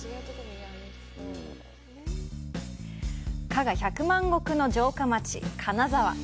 加賀百万石の城下町、金沢。